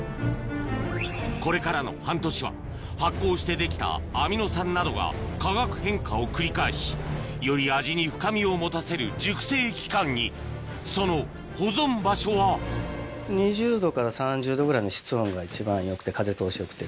これからの半年は発酵してできたアミノ酸などが化学変化を繰り返しより味に深みを持たせる熟成期間にその保存場所は風通しよくて。